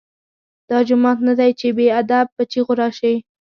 دا جومات نه دی چې بې ادب په چیغو راشې.